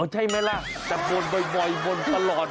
อ๋อใช่ไหมล่ะจะบนบ่อยบนตลอด